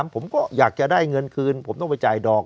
ผมก็อยากจะได้เงินคืนผมต้องไปจ่ายดอก